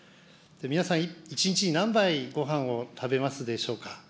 皆さん、１日に何杯、ごはんを食べますでしょうか。